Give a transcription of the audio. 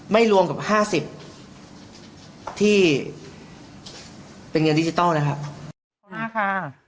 รวมกับ๕๐ที่เป็นเงินดิจิทัลนะครับ